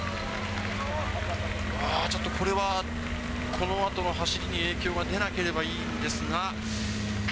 あー、ちょっとこれは、このあとの走りに影響が出なければいいんですが。